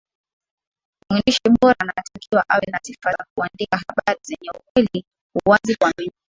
mwandishi bora anatakiwa awe na sifa za kuandika habari zenye ukweli uwazi kuaminika